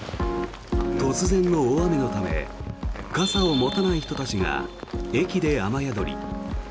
突然の大雨のため傘を持たない人たちが駅で雨宿り。